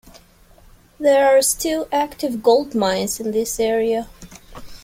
There are still active gold mines in this area.